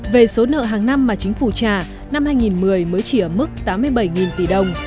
về số nợ hàng năm mà chính phủ trả năm hai nghìn một mươi mới chỉ ở mức tám mươi bảy tỷ đồng